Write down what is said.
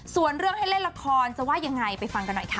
ส่วนเรื่องให้เล่นละครจะว่ายังไงไปฟังกันหน่อยค่ะ